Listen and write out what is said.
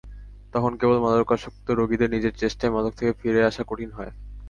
তখন কেবল মাদকাসক্ত রোগীদের নিজের চেষ্টায় মাদক থেকে ফিরে আসা কঠিন হয়।